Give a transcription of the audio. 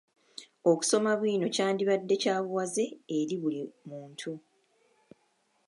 Okusoma bwino kyandibadde kya buwaze eri buli muntu.